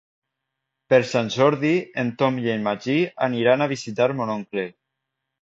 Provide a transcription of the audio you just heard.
Per Sant Jordi en Tom i en Magí aniran a visitar mon oncle.